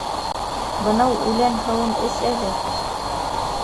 Бынау үлән һыуын эс әле.